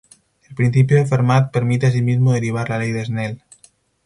El principio de Fermat permite así mismo derivar la ley de Snell.